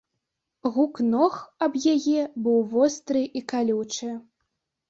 Гук ног аб яе быў востры і калючы.